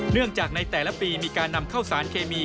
เนื่องจากในแต่ละปีมีการนำเข้าสารเคมี